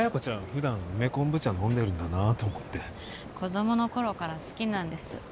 普段梅昆布茶飲んでるんだなと思って子どもの頃から好きなんです